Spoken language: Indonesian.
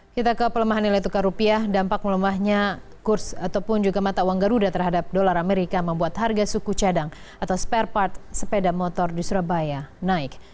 kita ke pelemahan nilai tukar rupiah dampak melemahnya kurs ataupun juga mata uang garuda terhadap dolar amerika membuat harga suku cadang atau spare part sepeda motor di surabaya naik